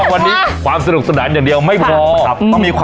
วันนี้ผมมาผมตั้งใจจะมายืมตังค์